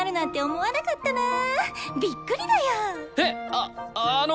ああの。